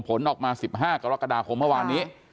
ผลออกมา๑๕กรกฎาคมเมื่อวานนี้